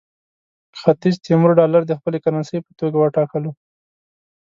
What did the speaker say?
ختیځ تیمور ډالر د خپلې کرنسۍ په توګه وټاکلو.